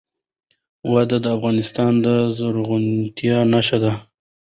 وادي د افغانستان د زرغونتیا نښه ده.